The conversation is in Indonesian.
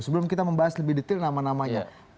sebelum kita membahas lebih detail nama namanya